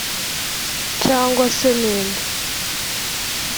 Cyangwa se ni nde